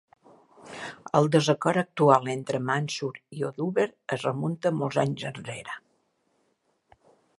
El desacord actual entre Mansur i Oduber es remunta a molts anys enrere.